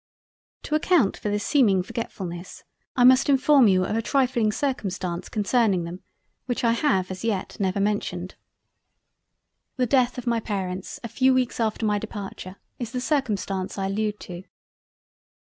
To account for this seeming forgetfullness I must inform you of a trifling circumstance concerning them which I have as yet never mentioned. The death of my Parents a few weeks after my Departure, is the circumstance I allude to.